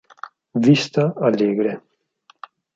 Vista Alegre